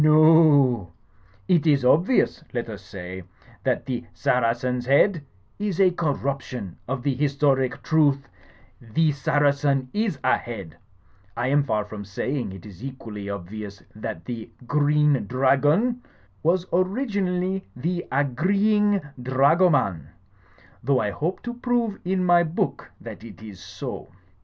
No o. It is obvious, let us say, that the 'Saracen's Head' is a corruption of the historic truth 'The Saracen is Ahead' — ^I am far from saying it is equally obvious that the 'Green Dra gon' was originally 'the Agreeing Dragoman' ; though I hope to prove in my book that it is so.